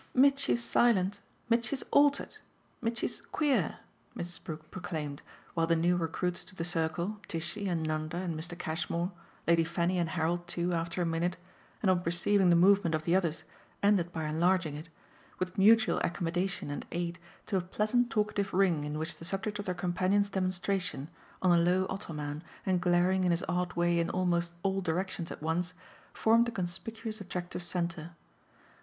"Mitchy's silent, Mitchy's altered, Mitchy's queer!" Mrs. Brook proclaimed, while the new recruits to the circle, Tishy and Nanda and Mr. Cashmore, Lady Fanny and Harold too after a minute and on perceiving the movement of the others, ended by enlarging it, with mutual accommodation and aid, to a pleasant talkative ring in which the subject of their companion's demonstration, on a low ottoman and glaring in his odd way in almost all directions at once, formed the conspicuous attractive centre.